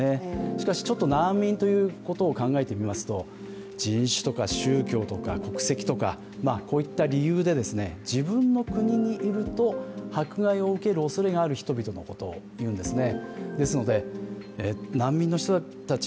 しかし、ちょっと難民ということを考えてみますと、人種とか宗教、国籍といった理由で自分の国にいると迫害を受けるおそれがある人々のことを言うんですね。